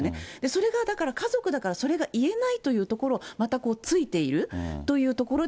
それがだから、家族だからいえないというところがまたついている、というところ